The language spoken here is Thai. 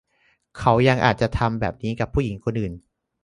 เขายังอาจจะทำแบบนี้กับผู้หญิงคนอื่น